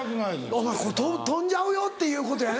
お前これ飛んじゃうよっていうことやね。